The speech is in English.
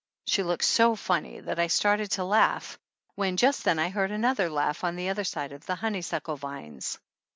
She looked so funny that I started 134 THE ANNALS OF ANN to laugh, when just then I heard another laugh on the other side of the honeysuckle vines.